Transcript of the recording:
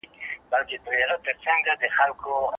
انا ولې د دغه بې گناه ماشوم مخ وواهه؟